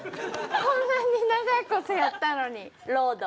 こんなに長いことやったのにロード。